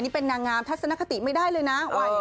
นี่เป็นนางงามทัศนคติไม่ได้เลยนะ